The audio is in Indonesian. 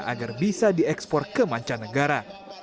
agar bisa diekspor ke manca negara